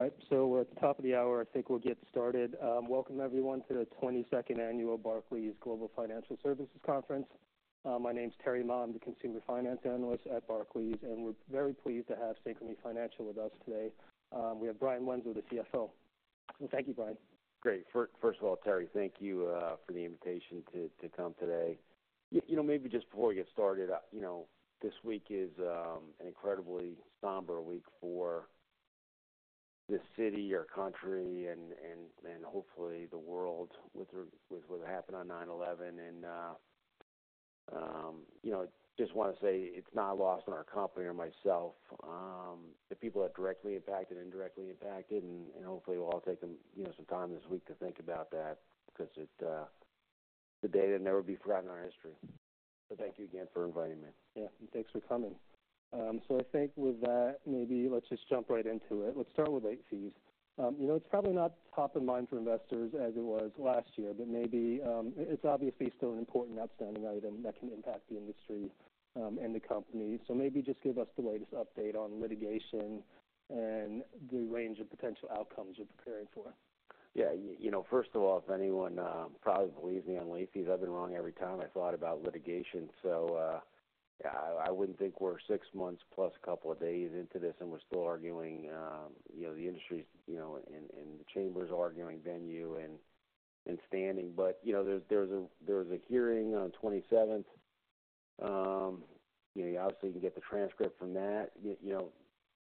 Right. So we're at the top of the hour. I think we'll get started. Welcome everyone to the 22nd Annual Barclays Global Financial Services Conference. My name is Terry Ma. I'm the consumer finance analyst at Barclays, and we're very pleased to have Synchrony Financial with us today. We have Brian Wenzel, the CFO. Thank you, Brian. Great. First of all, Terry, thank you for the invitation to come today. You know, maybe just before we get started, you know, this week is an incredibly somber week for this city, our country, and hopefully the world, with what happened on 9/11, and you know, just want to say it's not lost on our company or myself, the people that directly impacted and indirectly impacted, and hopefully we'll all take them, you know, some time this week to think about that because today, they'll never be forgotten in our history. So thank you again for inviting me. Yeah, and thanks for coming. So I think with that, maybe let's just jump right into it. Let's start with late fees. You know, it's probably not top of mind for investors as it was last year, but maybe it's obviously still an important outstanding item that can impact the industry and the company. So maybe just give us the latest update on litigation and the range of potential outcomes you're preparing for. Yeah, you know, first of all, if anyone probably believes me on late fees, I've been wrong every time I thought about litigation. So, I wouldn't think we're six months plus a couple of days into this, and we're still arguing, you know, the industry's, you know, and the chamber's arguing venue and standing. But, you know, there was a hearing on 27th. You know, you obviously can get the transcript from that. You know,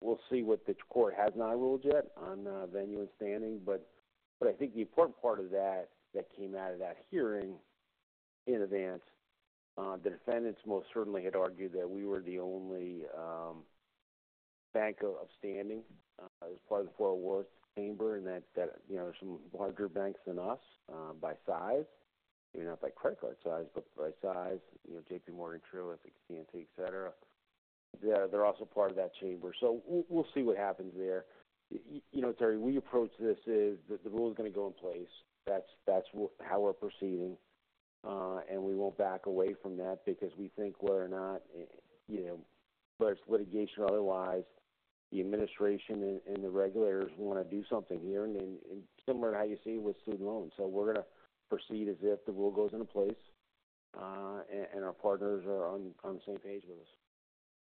we'll see what the court has not ruled yet on venue and standing, but I think the important part of that that came out of that hearing in advance. The defendants most certainly had argued that we were the only bank with standing as part of the Fort Worth Chamber, and that, you know, some larger banks than us by size, maybe not by credit card size, but by size, you know, JPMorgan, Truist, I think, PNC, et cetera. They're also part of that chamber. So we'll see what happens there. You know, Terry, we approach this as the rule is going to go in place. That's how we're proceeding, and we won't back away from that because we think whether or not, you know, whether it's litigation or otherwise, the administration and the regulators want to do something here, and similar to how you see it with student loans. So we're going to proceed as if the rule goes into place, and our partners are on the same page with us.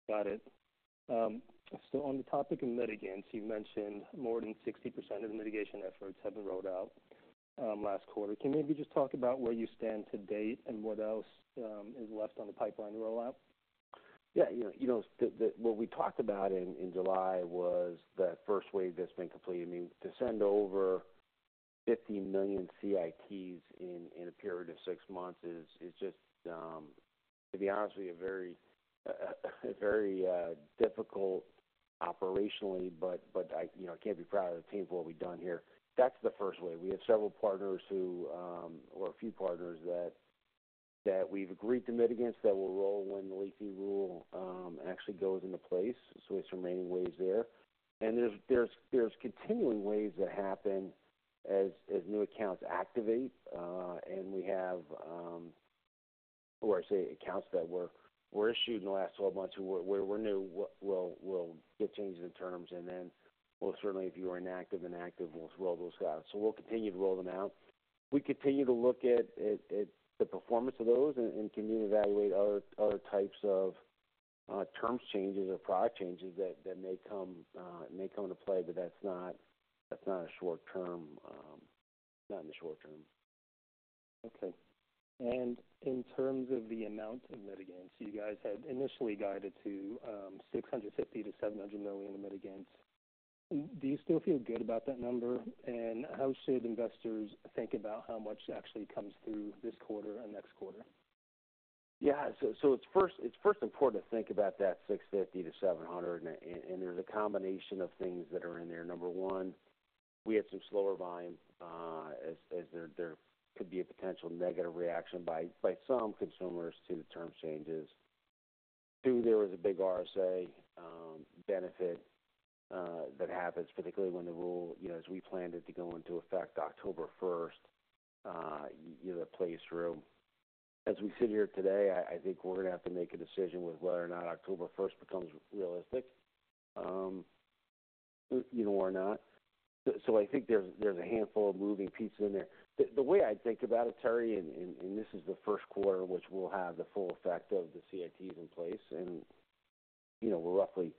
Got it. So on the topic of mitigants, you mentioned more than 60% of the mitigation efforts have been rolled out, last quarter. Can you maybe just talk about where you stand to date and what else is left on the pipeline rollout? Yeah, you know, what we talked about in July was that first wave that's been completed. I mean, to send over 50 million CITs in a period of six months is just, to be honest with you, a very difficult operationally, but I, you know, I can't be prouder of the team for what we've done here. That's the first wave. We have several partners who, or a few partners that we've agreed to mitigants, that will roll when the late fee rule actually goes into place. So it's remaining waves there. And there's continuing waves that happen as new accounts activate, and we have accounts that were issued in the last twelve months, where new will get change in terms, and then we'll certainly, if you are inactive, we'll roll those out. So we'll continue to roll them out. We continue to look at the performance of those and continue to evaluate other types of terms changes or product changes that may come into play, but that's not a short term, not in the short term. Okay. And in terms of the amount of mitigants, you guys had initially guided to $650 million-$700 million in mitigants. Do you still feel good about that number? And how should investors think about how much actually comes through this quarter and next quarter? Yeah, so it's first important to think about that $650 million-$700 million, and there's a combination of things that are in there. Number one, we had some slower volume, as there could be a potential negative reaction by some consumers to the term changes. Two, there was a big RSA benefit that happens, particularly when the rule, you know, as we planned it to go into effect October 1st, you know, plays through. As we sit here today, I think we're going to have to make a decision with whether or not October 1st becomes realistic, you know, or not. So I think there's a handful of moving pieces in there. The way I think about it, Terry, this is the first quarter, which we'll have the full effect of the CITs in place, and you know, we're roughly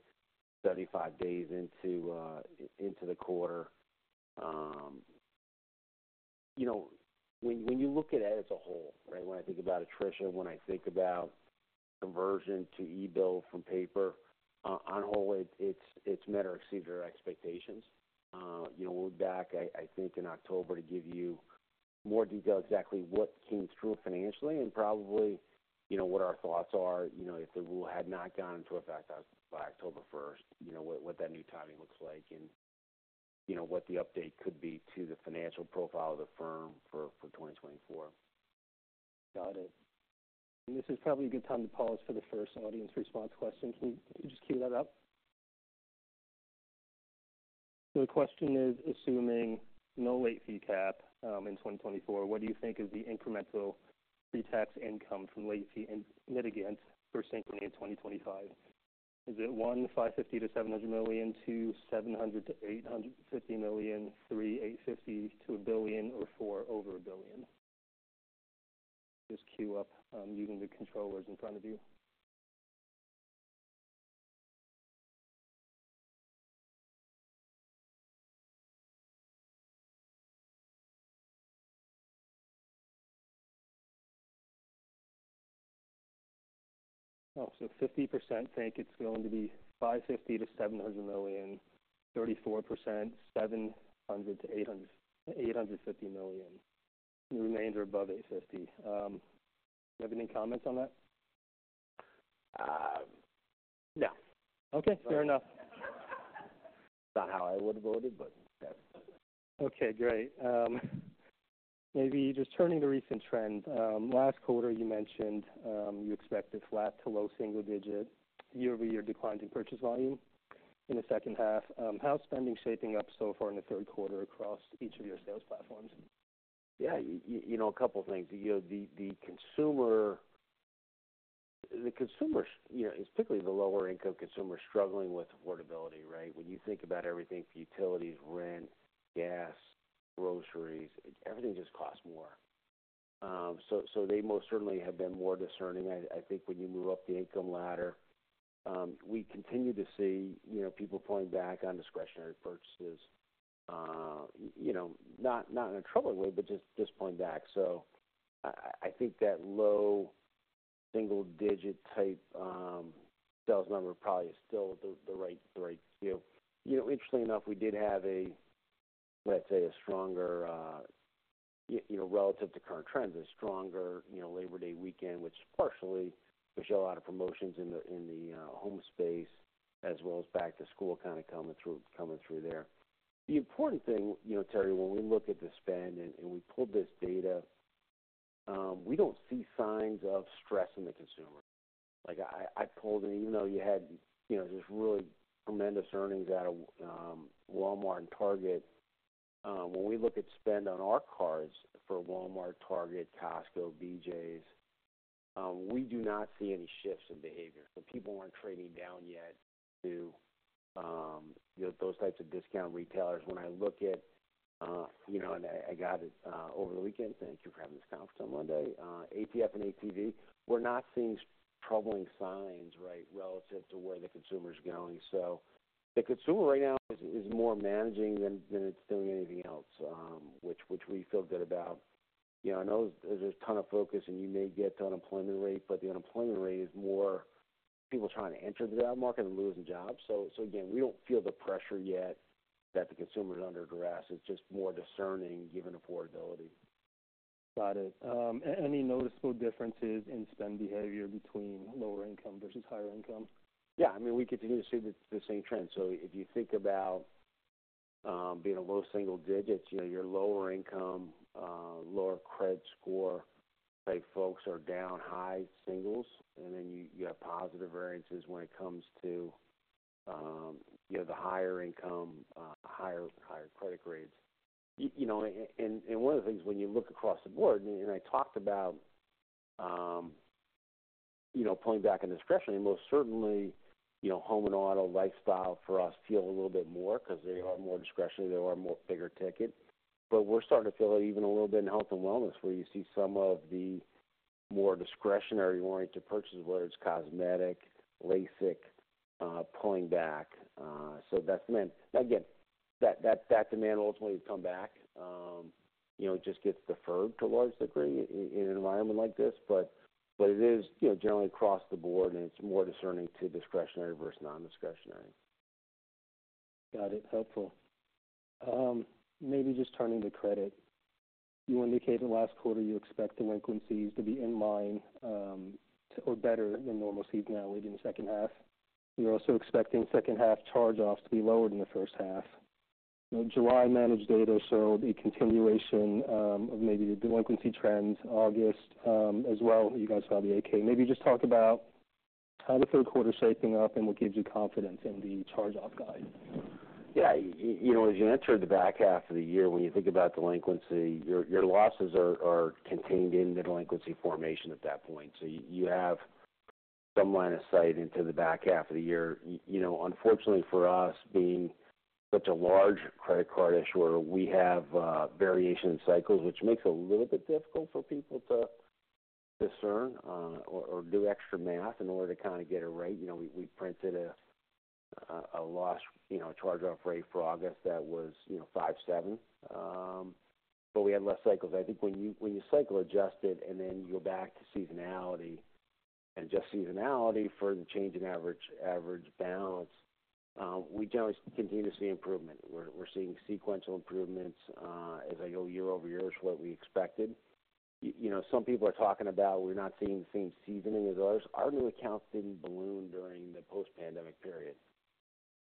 35 days into the quarter. You know, when you look at it as a whole, right, when I think about attrition, when I think about conversion to e-bill from paper, on the whole, it's met or exceeded our expectations. You know, we'll be back, I think in October, to give you more detail, exactly what came through financially and probably, you know, what our thoughts are. You know, if the rule had not gone into effect by October 1st, you know, what that new timing looks like, and you know, what the update could be to the financial profile of the firm for 2024. Got it. And this is probably a good time to pause for the first audience response question. Can you just queue that up? So the question is, assuming no late fee cap, in 2024, what do you think is the incremental pre-tax income from late fees and litigation for Synchrony in 2025. Is it one, $550 million-$700 million, two, $700 million-$850 million, three, $850 million to $1 billion, or four, over $1 billion? Just queue up using the controllers in front of you. Oh, so 50% think it's going to be $550 million-$700 million, 34%, $700 million-$850 million. The remainder are above $850 million. You have any comments on that? Uh, no. Okay, fair enough. Not how I would have voted, but yeah. Okay, great. Maybe just turning to recent trend. Last quarter, you mentioned, you expected flat to low single digit year-over-year decline in purchase volume in the second half. How's spending shaping up so far in the third quarter across each of your sales platforms? Yeah, you know, a couple of things. You know, the consumer, you know, and particularly the lower-income consumer, struggling with affordability, right? When you think about everything, utilities, rent, gas, groceries, everything just costs more. So they most certainly have been more discerning. I think when you move up the income ladder, we continue to see, you know, people pulling back on discretionary purchases, you know, not in a troubling way, but just pulling back. So I think that low single digit type sales number probably is still the right view. You know, interestingly enough, we did have a, let's say, a stronger, you know, relative to current trends, a stronger, you know, Labor Day weekend, which partially was a lot of promotions in the home space, as well as back to school kind of coming through there. The important thing, you know, Terry, when we look at the spend and we pulled this data, we don't see signs of stress in the consumer. Like I pulled, and even though you had, you know, just really tremendous earnings out of Walmart and Target, when we look at spend on our cards for Walmart, Target, Costco, BJ's, we do not see any shifts in behavior. So people aren't trading down yet to, you know, those types of discount retailers. When I look at, you know, and I got it over the weekend, thank you for having this conference on Monday. ATF and ATV, we're not seeing troubling signs, right, relative to where the consumer is going. So the consumer right now is more managing than it's doing anything else, which we feel good about. You know, I know there's a ton of focus, and you may get to unemployment rate, but the unemployment rate is more people trying to enter the job market and losing jobs. So again, we don't feel the pressure yet that the consumer is under duress. It's just more discerning given affordability. Got it. Any noticeable differences in spend behavior between lower income versus higher income? Yeah, I mean, we continue to see the same trend. So if you think about being a low single digits, you know, your lower income lower credit score, like, folks are down high singles, and then you have positive variances when it comes to, you know, the higher income, higher credit grades. You know, and one of the things when you look across the board, and I talked about, you know, pulling back on discretion, and most certainly, you know, home and auto lifestyle for us feel a little bit more because they are more discretionary, they are more bigger ticket. But we're starting to feel it even a little bit in health and wellness, where you see some of the more discretionary oriented purchases, whether it's cosmetic, LASIK, pulling back, so that's demand. Again, that demand ultimately come back, you know, it just gets deferred to a large degree in an environment like this. But it is, you know, generally across the board, and it's more discerning to discretionary versus non-discretionary. Got it. Helpful. Maybe just turning to credit. You indicated last quarter you expect delinquencies to be in line, or better than normal seasonality in the second half. You're also expecting second half charge-offs to be lower than the first half. July managed data showed a continuation of maybe the delinquency trends, August as well. You guys saw the 8-K. Maybe just talk about how the third quarter is shaping up and what gives you confidence in the charge-off guide. Yeah, you know, as you enter the back half of the year, when you think about delinquency, your losses are contained in the delinquency formation at that point. So you have some line of sight into the back half of the year. You know, unfortunately for us, being such a large credit card issuer, we have variation in cycles, which makes it a little bit difficult for people to discern, or do extra math in order to kind of get it right. You know, we printed a loss, you know, charge-off rate for August that was, you know, five-seven, but we had less cycles. I think when you cycle adjust it and then you go back to seasonality and just seasonality for the change in average balance, we generally continue to see improvement. We're seeing sequential improvements as I go year over year, is what we expected. You know, some people are talking about we're not seeing the same seasoning as ours. Our new accounts didn't balloon during the post-pandemic period,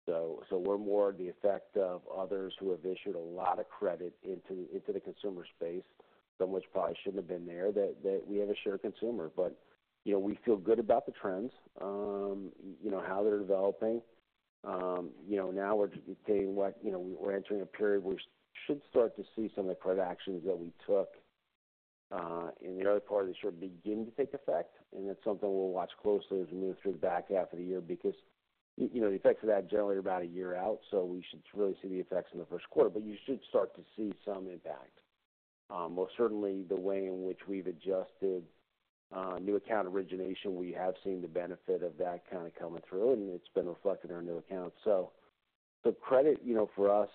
so we're more the effect of others who have issued a lot of credit into the consumer space, some which probably shouldn't have been there, that we have a shared consumer. But, you know, we feel good about the trends, you know, how they're developing. You know, now we're saying what, you know, we're entering a period where we should start to see some of the credit actions that we took in the early part of the short begin to take effect, and that's something we'll watch closely as we move through the back half of the year. Because, you know, the effects of that generally are about a year out, so we should really see the effects in the first quarter. But you should start to see some impact. Most certainly, the way in which we've adjusted new account origination, we have seen the benefit of that kind of coming through, and it's been reflected in our new accounts. So the credit, you know, for us,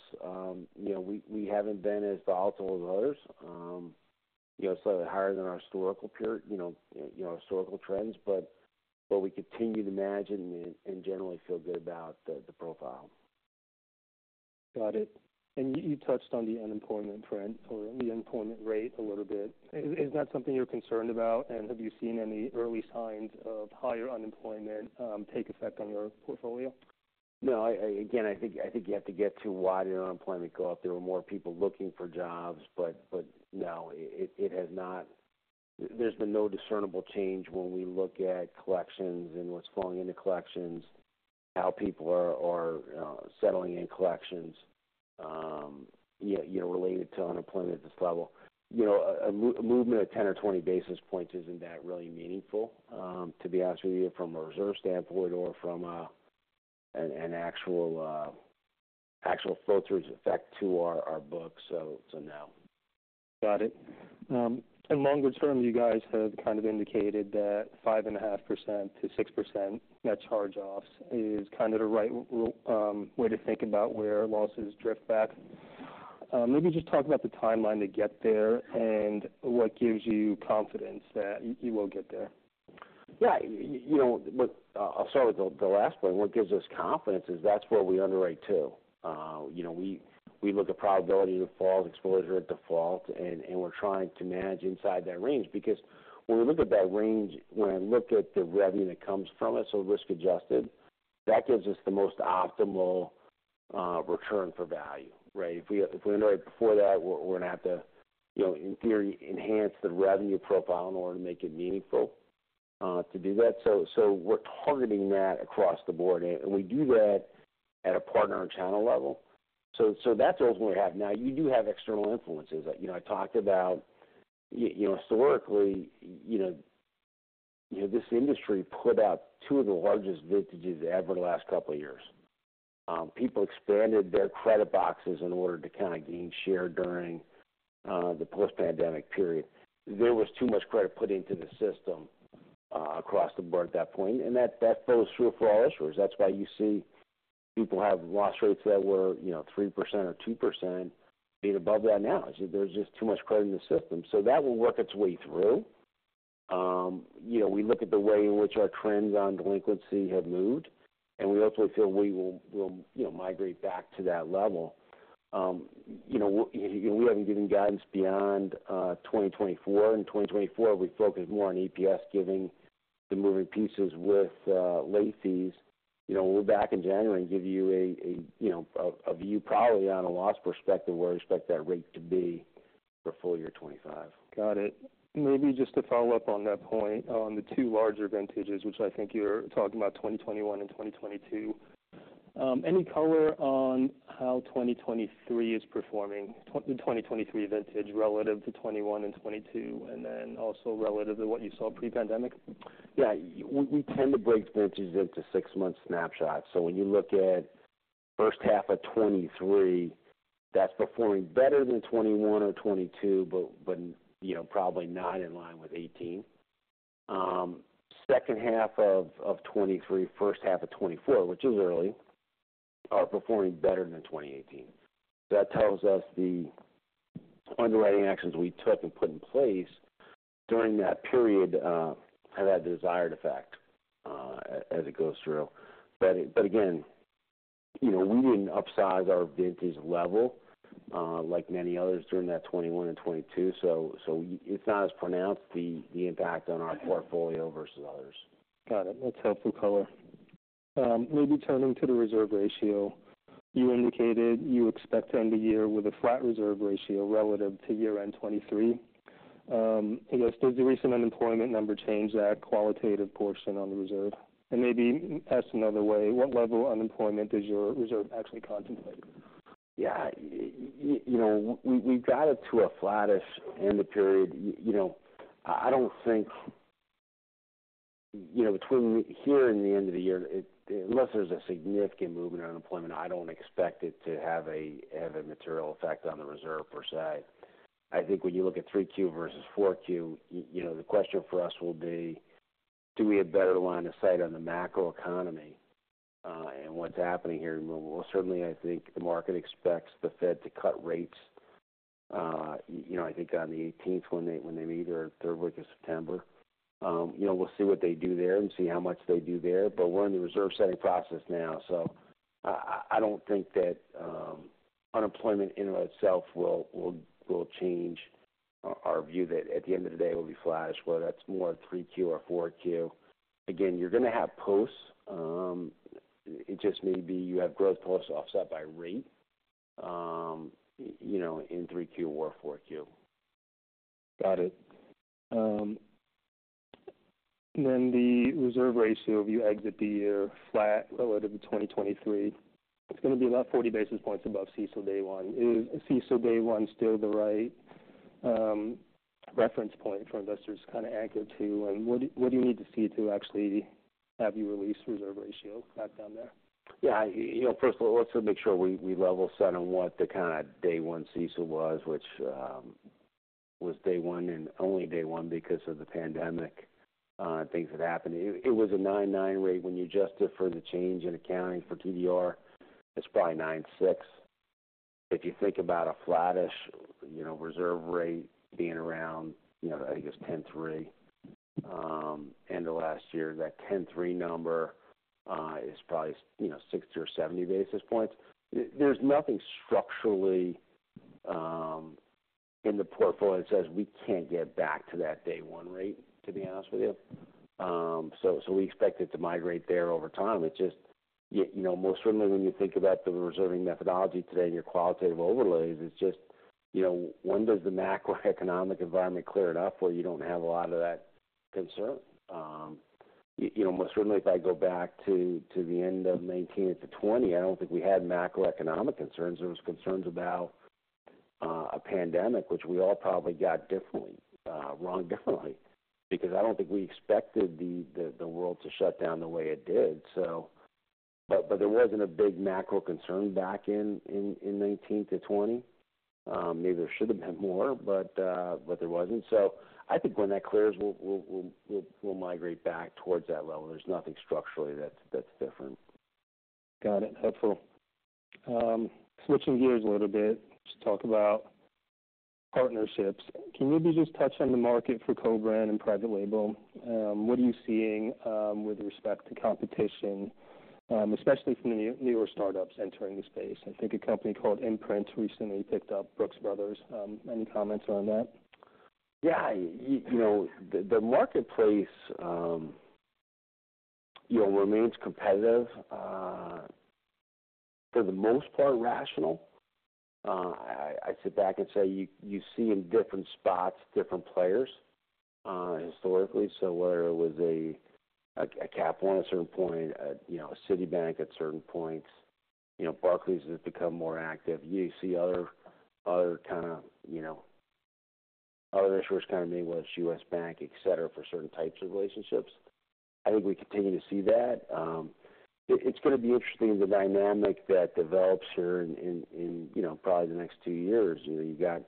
we haven't been as volatile as others. You know, slightly higher than our historical period, you know, our historical trends, but we continue to manage and generally feel good about the profile. Got it. And you touched on the unemployment trend or the unemployment rate a little bit. Is that something you're concerned about? And have you seen any early signs of higher unemployment take effect on your portfolio? No, I again, I think, I think you have to get to why did unemployment go up. There were more people looking for jobs, but no, it has not. There's been no discernible change when we look at collections and what's flowing into collections, how people are settling in collections, yeah, you know, related to unemployment at this level. You know, a move, a movement of 10 basis points or 20 basis points isn't that really meaningful, to be honest with you, from a reserve standpoint or from an actual flow-through effect to our books. So no. Got it. And longer term, you guys have kind of indicated that 5.5%-6% net charge-offs is kind of the right way to think about where losses drift back. Maybe just talk about the timeline to get there and what gives you confidence that you will get there. Yeah, you know, look, I'll start with the last point. What gives us confidence is that's where we underwrite to. You know, we look at probability of default, exposure at default, and we're trying to manage inside that range. Because when we look at that range, when I look at the revenue that comes from it, so risk-adjusted, that gives us the most optimal return for value, right? If we underwrite before that, we're going to have to, you know, in theory, enhance the revenue profile in order to make it meaningful to do that. So we're targeting that across the board, and we do that at a partner and channel level. So that's what we have. Now, you do have external influences. You know, I talked about, you know, historically, you know, this industry put out two of the largest vintages ever the last couple of years. People expanded their credit boxes in order to kind of gain share during the post-pandemic period. There was too much credit put into the system across the board at that point, and that flows through for all issuers. That's why you see people have loss rates that were, you know, 3% or 2% being above that now. There's just too much credit in the system. So that will work its way through. You know, we look at the way in which our trends on delinquency have moved, and we ultimately feel we will, you know, migrate back to that level. You know, we haven't given guidance beyond 2024. In 2024, we focused more on EPS, giving the moving pieces with late fees. You know, we're back in January and give you a view probably on a loss perspective, where we expect that rate to be for full year 2025. Got it. Maybe just to follow up on that point, on the two larger vintages, which I think you're talking about 2021 and 2022 Any color on how 2023 is performing, the 2023 vintage relative to 2021 and 2022, and then also relative to what you saw pre-pandemic? Yeah. We tend to break vintages into six-month snapshots. So when you look at first half of 2023, that's performing better than 2021 or 2022, but, you know, probably not in line with 2018. Second half of 2023, first half of 2024, which is early, are performing better than in 2018. That tells us the underwriting actions we took and put in place during that period had that desired effect, as it goes through. But again, you know, we wouldn't upsize our vintage level, like many others during that 2021 and 2022. So it's not as pronounced, the impact on our portfolio versus others. Got it. That's helpful color. Maybe turning to the reserve ratio. You indicated you expect to end the year with a flat reserve ratio relative to year-end 2023. You know, does the recent unemployment number change that qualitative portion on the reserve? And maybe asked another way, what level of unemployment does your reserve actually contemplate? Yeah, you know, we got it to a flattish end of period. You know, I don't think. You know, between here and the end of the year, it, unless there's a significant movement in unemployment, I don't expect it to have a material effect on the reserve per se. I think when you look at 3Q versus 4Q, you know, the question for us will be: Do we have better line of sight on the macroeconomy, and what's happening here? Well, certainly, I think the market expects the Fed to cut rates, you know, I think on the 18th, when they meet or third week of September. You know, we'll see what they do there and see how much they do there, but we're in the reserve-setting process now. I don't think that unemployment in and of itself will change our view that at the end of the day, it will be flattish, whether that's more 3Q or 4Q. Again, you're going to have pulse. It just may be you have growth pulse offset by rate, you know, in 3Q or 4Q. Got it. Then the reserve ratio, if you exit the year flat relative to 2023, it's going to be about 40 basis points above CECL day one. Is CECL day one still the right reference point for investors to kind of anchor to? And what do you need to see to actually have you release reserve ratio back down there? Yeah, you know, first of all, let's make sure we level set on what the kind of day one CECL was, which was day one and only day one because of the pandemic and things that happened. It was a 9.9% rate. When you adjust it for the change in accounting for TDR, it's probably 9.6%. If you think about a flattish, you know, reserve rate being around, you know, I think it was 10.3% end of last year. That 10.3% number is probably, you know, 60 basis points or 70 basis points. There's nothing structurally in the portfolio that says we can't get back to that day one rate, to be honest with you. So we expect it to migrate there over time. It's just, you know, most certainly when you think about the reserving methodology today and your qualitative overlays, it's just, you know, when does the macroeconomic environment clear it up, where you don't have a lot of that concern? You know, most certainly if I go back to the end of 2019 to 2020, I don't think we had macroeconomic concerns. There was concerns about a pandemic, which we all probably got differently, wrongly, because I don't think we expected the world to shut down the way it did. But there wasn't a big macro concern back in 2019 to 2020. Maybe there should have been more, but there wasn't. So I think when that clears, we'll migrate back towards that level. There's nothing structurally that's different. Got it. Helpful. Switching gears a little bit to talk about partnerships. Can you maybe just touch on the market for co-branded and private label? What are you seeing, with respect to competition, especially from the new, newer startups entering the space? I think a company called Imprint recently picked up Brooks Brothers. Any comments on that? Yeah, you know, the marketplace, you know, remains competitive, for the most part, rational. I'd sit back and say, you see in different spots, different players, historically. So where it was a Cap One at a certain point, you know, a Citibank at certain points, you know, Barclays has become more active. You see other kind of, you know, other issuers coming in, whether it's U.S. Bank, et cetera, for certain types of relationships. I think we continue to see that. It's going to be interesting, the dynamic that develops here in, you know, probably the next two years. You know, you've got,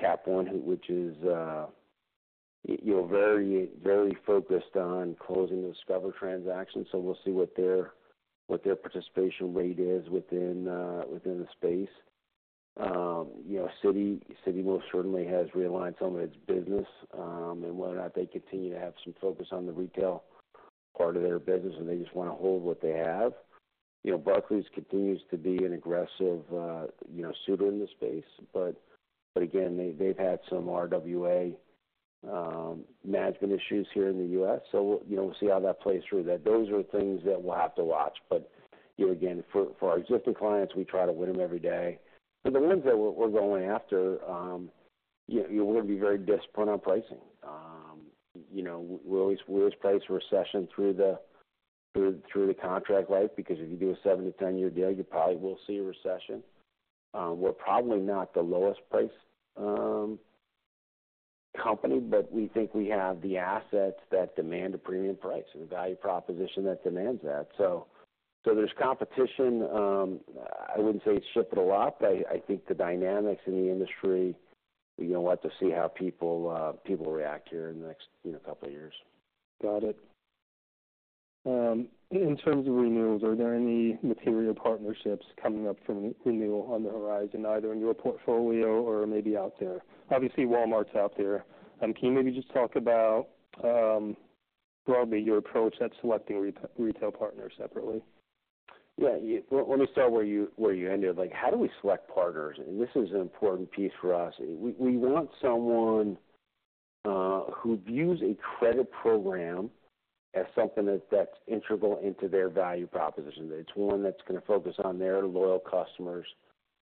Cap One, which is, you know, very, very focused on closing the Discover transaction, so we'll see what their participation rate is within, within the space. You know, Citi, Citi most certainly has realigned some of its business, and whether or not they continue to have some focus on the retail part of their business, and they just want to hold what they have. You know, Barclays continues to be an aggressive, you know, suitor in the space, but again, they've had some RWA management issues here in the U.S., so we'll, you know, see how that plays through that. Those are things that we'll have to watch, but you know, again, for our existing clients, we try to win them every day. For the ones that we're going after, you know, we're going to be very disciplined on pricing. You know, we'll always price recession through the contract life, because if you do a seven-to-ten-year deal, you probably will see a recession. We're probably not the lowest priced company, but we think we have the assets that demand a premium price and value proposition that demands that. So there's competition. I wouldn't say it's shifted a lot. I think the dynamics in the industry, you're going to have to see how people react here in the next couple of years. Got it. In terms of renewals, are there any material partnerships coming up from renewal on the horizon, either in your portfolio or maybe out there? Obviously, Walmart's out there. Can you maybe just talk about, broadly, your approach at selecting retail partners separately? Yeah, let me start where you ended. Like, how do we select partners? And this is an important piece for us. We want someone who views a credit program as something that's integral into their value proposition. It's one that's going to focus on their loyal customers.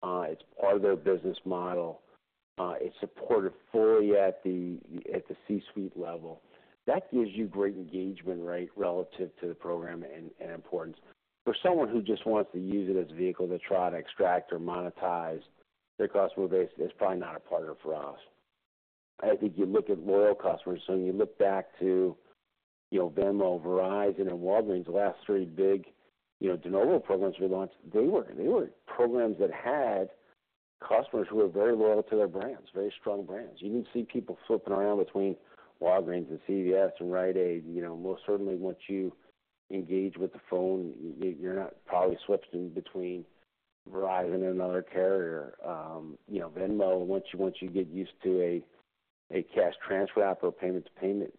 It's part of their business model. It's supported fully at the C-suite level. That gives you great engagement rate relative to the program and importance. For someone who just wants to use it as a vehicle to try to extract or monetize their customer base is probably not a partner for us. I think you look at loyal customers, so you look back to, you know, Venmo, Verizon and Walgreens, the last three big, you know, de novo programs we launched. They were programs that had customers who were very loyal to their brands, very strong brands. You didn't see people flipping around between Walgreens and CVS and Rite Aid. You know, most certainly once you engage with the phone, you're not probably switching between Verizon and another carrier. You know, Venmo, once you get used to a cash transfer app or a payment-to-payment,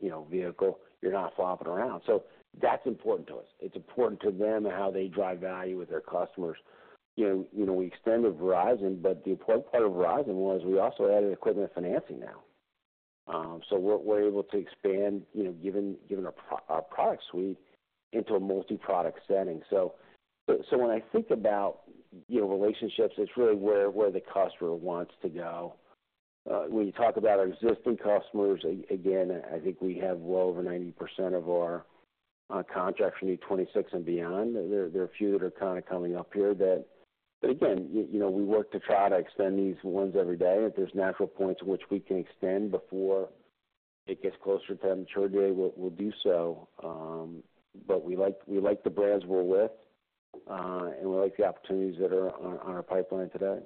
you know, vehicle, you're not flopping around. So that's important to us. It's important to them and how they drive value with their customers. You know, you know, we expanded Verizon, but the important part of Verizon was we also added equipment financing now. So we're able to expand, you know, given our product suite into a multi-product setting. So when I think about, you know, relationships, it's really where the customer wants to go. When you talk about our existing customers, again, I think we have well over 90% of our contracts from 2026 and beyond. There are a few that are kind of coming up here that, but again, you know, we work to try to extend these ones every day. If there's natural points which we can extend before it gets closer to maturity date, we'll do so. But we like the brands we're with, and we like the opportunities that are on our pipeline today.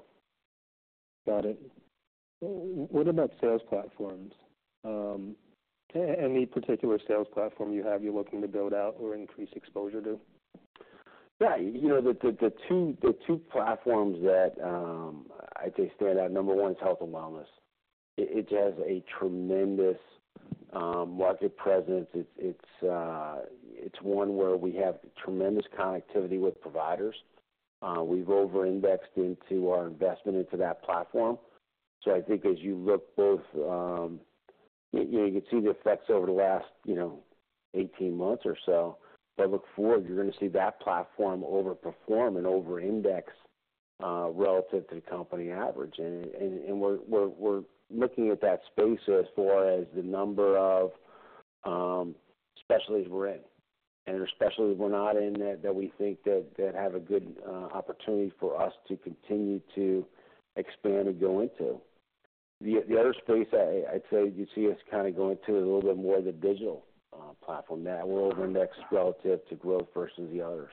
Got it. What about sales platforms? Any particular sales platform you have, you're looking to build out or increase exposure to? Yeah, you know, the two platforms that I'd say stand out, number one is health and wellness. It has a tremendous market presence. It's one where we have tremendous connectivity with providers. We've overindexed into our investment into that platform. So I think as you look both, you know, you can see the effects over the last, you know, 18 months or so. But look forward, you're going to see that platform overperform and overindex relative to the company average. And we're looking at that space as far as the number of specialties we're in, and the specialties we're not in that we think that have a good opportunity for us to continue to expand and go into. The other space I'd say you see us kind of going to a little bit more the digital platform. That will overindex relative to growth versus the others.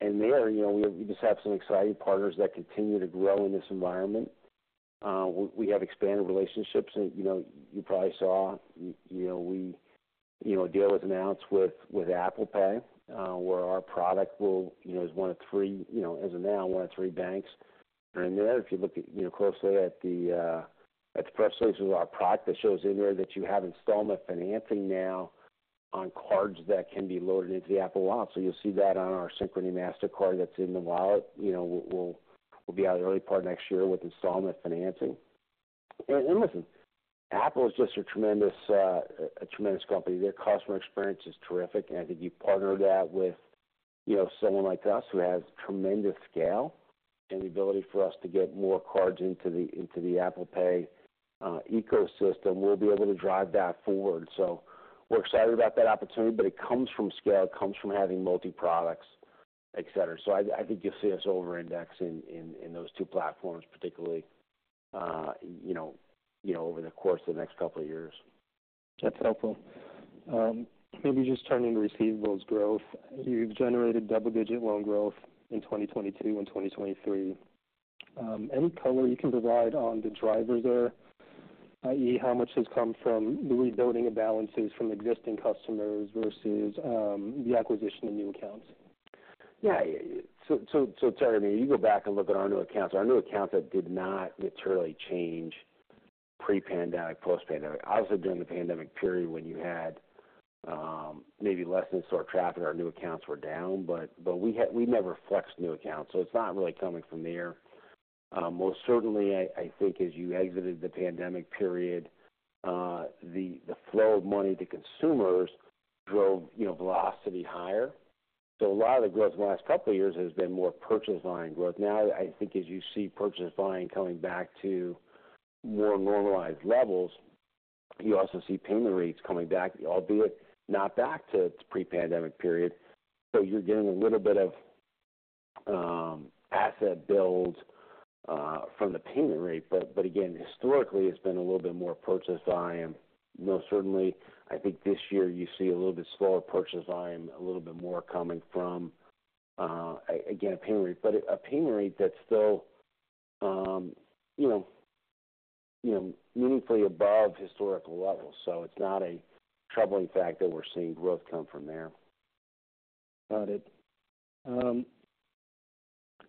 And there, you know, we just have some exciting partners that continue to grow in this environment. We have expanded relationships, and, you know, you probably saw, you know, we-- you know, a deal was announced with Apple Pay, where our product will, you know, as one of three, you know, as of now, one of three banks in there. If you look, you know, closely at the press release of our product, that shows in there that you have installment financing now on cards that can be loaded into the Apple Wallet. So you'll see that on our Synchrony Mastercard that's in the wallet. You know, we'll be out the early part of next year with installment financing. And listen, Apple is just a tremendous, a tremendous company. Their customer experience is terrific, and I think you partner that with, you know, someone like us who has tremendous scale and the ability for us to get more cards into the Apple Pay ecosystem, we'll be able to drive that forward. So we're excited about that opportunity, but it comes from scale, it comes from having multi-products, et cetera. So I think you'll see us overindex in those two platforms, particularly, you know, over the course of the next couple of years. That's helpful. Maybe just turning to receivables growth. You've generated double-digit loan growth in 2022 and 2023. Any color you can provide on the drivers there, i.e., how much has come from the rebuilding of balances from existing customers versus the acquisition of new accounts? Yeah, so Terry, I mean, you go back and look at our new accounts. Our new accounts have did not materially change pre-pandemic, post-pandemic. Obviously, during the pandemic period when you had maybe less in-store traffic, our new accounts were down, but we had we never flexed new accounts, so it's not really coming from there. Most certainly, I think as you exited the pandemic period, the flow of money to consumers drove, you know, velocity higher. So a lot of the growth in the last couple of years has been more purchase line growth. Now, I think as you see purchase line coming back to more normalized levels, you also see payment rates coming back, albeit not back to its pre-pandemic period. So you're getting a little bit of asset build from the payment rate. But again, historically, it's been a little bit more purchase volume. Most certainly, I think this year you see a little bit slower purchase volume, a little bit more coming from, again, a payment rate. But a payment rate that's still, you know, meaningfully above historical levels. So it's not a troubling fact that we're seeing growth come from there. Got it.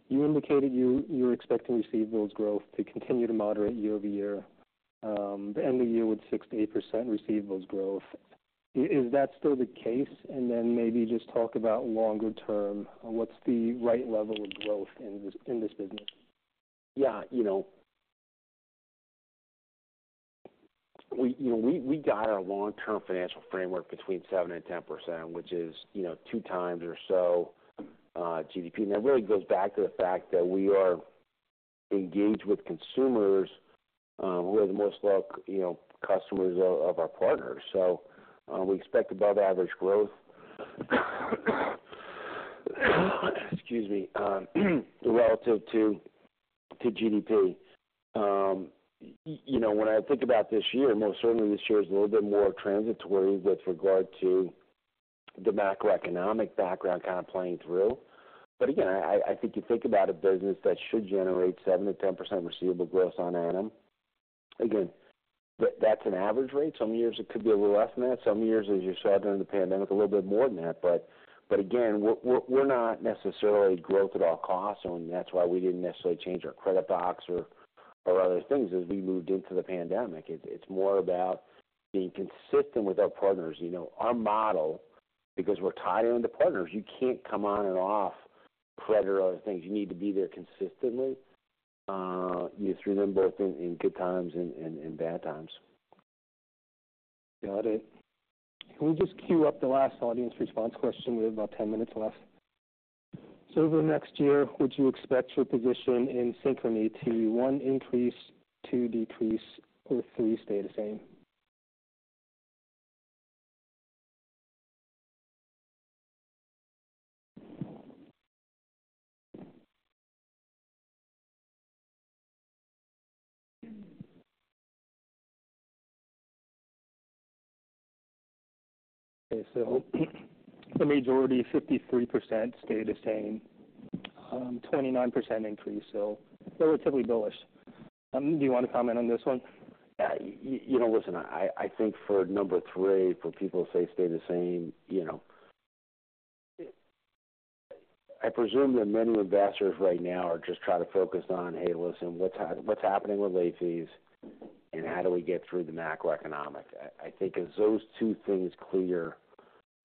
You indicated you expect receivables growth to continue to moderate year over year, and end the year with 6%-8% receivables growth. Is that still the case? And then maybe just talk about longer term, what's the right level of growth in this business? Yeah, you know, we guide our long-term financial framework between 7% and 10%, which is, you know, two times or so GDP. And that really goes back to the fact that we are engaged with consumers who are the most loyal, you know, customers of our partners. So we expect above average growth, excuse me, relative to GDP. You know, when I think about this year, most certainly this year is a little bit more transitory with regard to the macroeconomic background kind of playing through. But again, I think you think about a business that should generate 7%-10% receivable growth per annum. Again, that's an average rate. Some years it could be a little less than that. Some years, as you saw during the pandemic, a little bit more than that. But again, we're not necessarily growth at all costs, and that's why we didn't necessarily change our credit box or other things as we moved into the pandemic. It's more about being consistent with our partners. You know, our model, because we're tied into partners, you can't come on and off credit or other things. You need to be there consistently, you know, through them, both in good times and bad times. Got it. Can we just queue up the last audience response question? We have about ten minutes left. So over the next year, would you expect your position in Synchrony to, one, increase, two, decrease, or three, stay the same? Okay, so the majority, 53%, stay the same, 29% increase. So relatively bullish. Do you want to comment on this one? Yeah, you know, listen, I think for number three, for people who say stay the same, you know, I presume that many investors right now are just trying to focus on, hey, listen, what's happening with late fees, and how do we get through the macroeconomic? I think as those two things clear,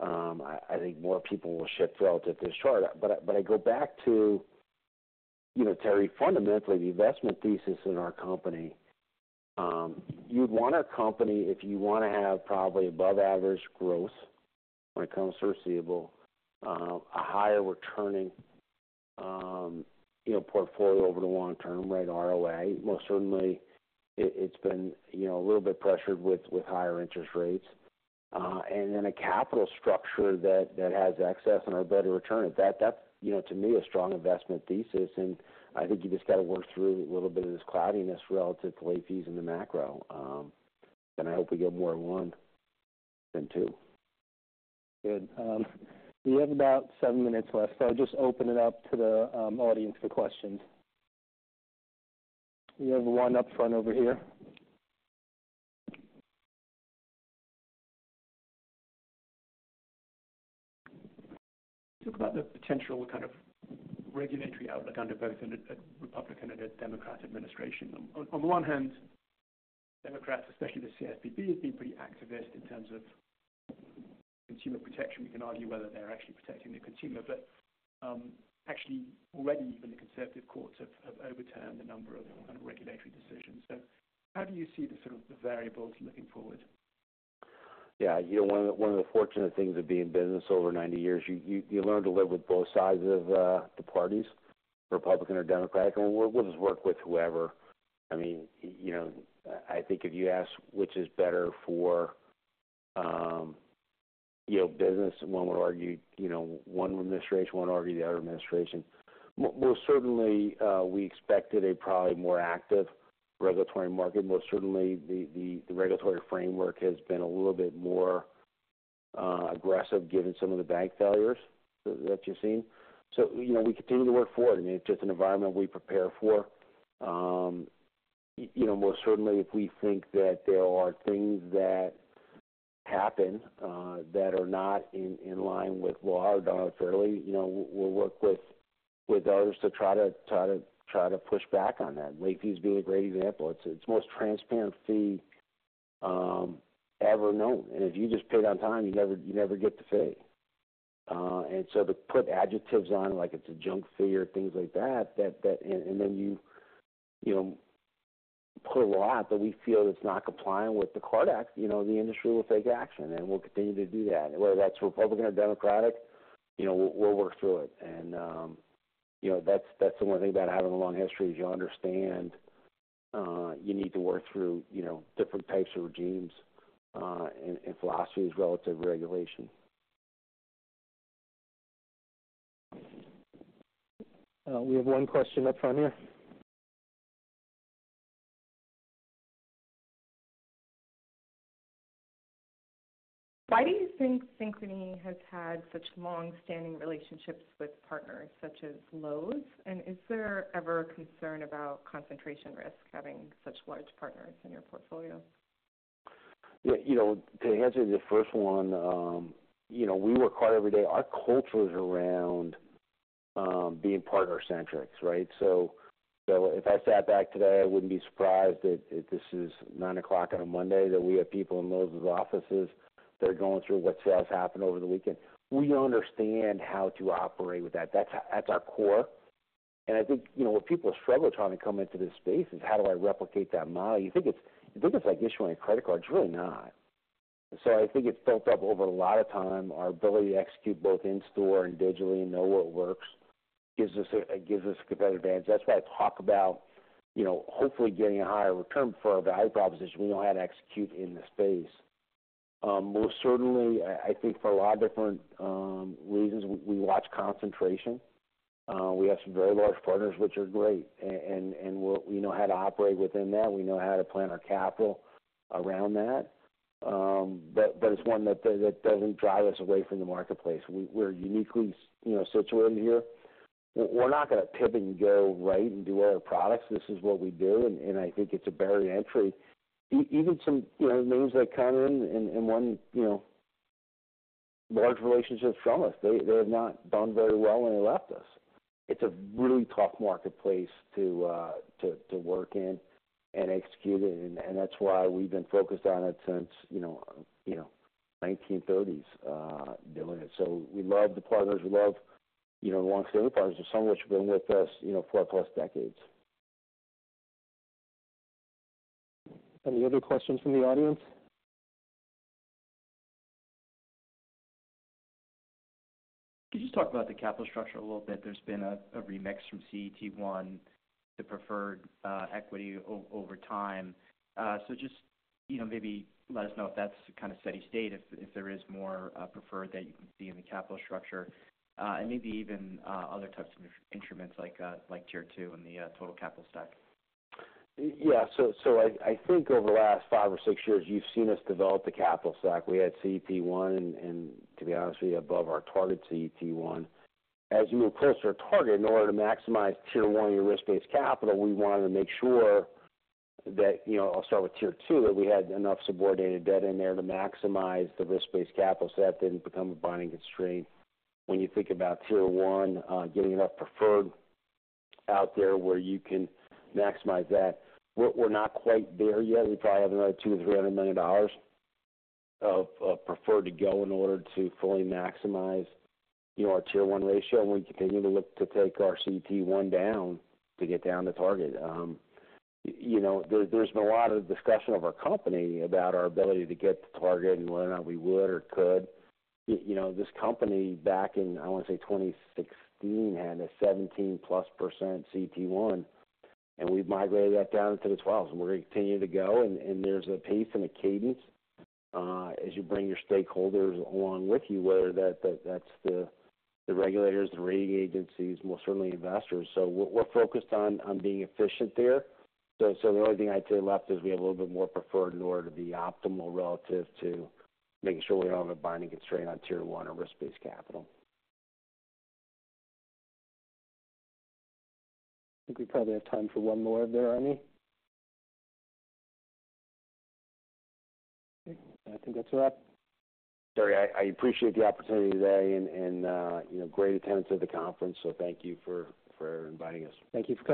I think more people will shift relatively short. But I go back to, you know, Terry, fundamentally, the investment thesis in our company, you'd want a company if you want to have probably above average growth when it comes to receivable, a higher returning, you know, portfolio over the long term, right? ROA, most certainly, it's been, you know, a little bit pressured with higher interest rates, and then a capital structure that has excess and a better return. That, you know, to me, a strong investment thesis, and I think you just got to work through a little bit of this cloudiness relative to late fees in the macro. And I hope we get more one than two. Good. We have about seven minutes left, so I'll just open it up to the audience for questions. We have one up front over here. Talk about the potential kind of regulatory outlook under both a Republican and a Democrat administration. On the one hand, Democrats, especially the CFPB, have been pretty activist in terms of consumer protection. We can argue whether they're actually protecting the consumer, but actually, already even the conservative courts have overturned a number of kind of regulatory decisions. So how do you see the sort of the variables looking forward? Yeah, you know, one of the fortunate things of being in business over ninety years, you learn to live with both sides of the parties, Republican or Democratic, and we'll just work with whoever. I mean, you know, I think if you ask which is better for you know, business, one would argue, you know, one administration, one argue the other administration. Most certainly, we expected a probably more active regulatory market. Most certainly, the regulatory framework has been a little bit more aggressive given some of the bank failures that you've seen. So, you know, we continue to work forward, and it's just an environment we prepare for. You know, most certainly, if we think that there are things that happen that are not in line with law or done fairly, you know, we'll work with others to try to push back on that. Late fees being a great example. It's the most transparent fee ever known, and if you just pay it on time, you never get to pay. And so to put adjectives on, like it's a junk fee or things like that, and then you know, put a law out that we feel it's not complying with the Card Act, you know, the industry will take action, and we'll continue to do that. Whether that's Republican or Democratic, you know, we'll work through it. You know, that's the one thing about having a long history is you understand you need to work through, you know, different types of regimes and philosophies relative to regulation. We have one question up front here. Why do you think Synchrony has had such long-standing relationships with partners such as Lowe's? And is there ever a concern about concentration risk having such large partners in your portfolio? Yeah, you know, to answer the first one, you know, we work hard every day. Our culture is around being partner-centric, right? So if I sat back today, I wouldn't be surprised that if this is 9:00 A.M. on a Monday, that we have people in Lowe's offices that are going through what sales happened over the weekend. We understand how to operate with that. That's our core. And I think, you know, what people struggle trying to come into this space is, how do I replicate that model? You think it's like issuing a credit card, it's really not. So I think it's built up over a lot of time. Our ability to execute both in store and digitally and know what works gives us a competitive advantage. That's why I talk about, you know, hopefully getting a higher return for our value proposition. We know how to execute in the space. Most certainly, I think for a lot of different reasons, we watch concentration. We have some very large partners, which are great, and we know how to operate within that. We know how to plan our capital around that, but it's one that doesn't drive us away from the marketplace. We're uniquely, you know, situated here. We're not going to pivot and go right and do other products. This is what we do, and I think it's a barrier to entry. Even some, you know, names that come in, and one, you know, large relationship from us, they have not done very well when they left us. It's a really tough marketplace to work in and execute it, and that's why we've been focused on it since, you know, 1930s doing it. So we love the partners, we love you know, alongside our partners some of which have been with us, you know, four plus decades. Any other questions from the audience? Could you just talk about the capital structure a little bit? There's been a remix from CET1 to preferred equity over time. So just, you know, maybe let us know if that's kind of steady state, if there is more preferred that you can see in the capital structure, and maybe even other types of instruments like Tier two and the total capital stack. Yeah, so I think over the last five or six years, you've seen us develop the capital stack. We had CET1, and to be honest with you, above our target CET1. As we move closer to our target, in order to maximize Tier one risk-based capital, we wanted to make sure that, you know, I'll start with Tier 2, that we had enough subordinated debt in there to maximize the risk-based capital, so that didn't become a binding constraint. When you think about Tier 1, getting enough preferred out there where you can maximize that, we're not quite there yet. We probably have another $200 million-$300 million of preferred to go in order to fully maximize, you know, our Tier 1 ratio, and we continue to look to take our CET1 down to get down to target. You know, there's been a lot of discussion of our company about our ability to get to target and whether or not we would or could. You know, this company, back in, I want to say, 2016, had a 17+% CET1, and we've migrated that down into the 12s, and we're going to continue to go. And there's a pace and a cadence as you bring your stakeholders along with you, whether that's the regulators, the rating agencies, most certainly investors. So we're focused on being efficient there. So the only thing I'd say left is we have a little bit more preferred in order to be optimal relative to making sure we don't have a binding constraint on Tier 1 or risk-based capital. I think we probably have time for one more there, Ernie. Okay, I think that's a wrap. Terry, I appreciate the opportunity today and, you know, great attendance at the conference, so thank you for inviting us. Thank you for coming.